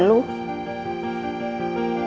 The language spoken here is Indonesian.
acil jangan kemana mana